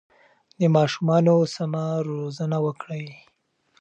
د ماشومانو سمه روزنه وکړئ.